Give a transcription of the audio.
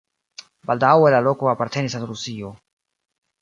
Baldaŭe la loko apartenis al Rusio.